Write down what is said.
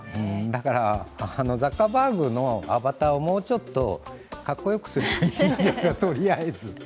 だからザッカーバーグのアバターをもうちょっとかっこよくすればいいんじゃないか、とりあえず。